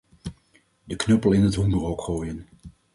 De knuppel in het hoenderhok gooien.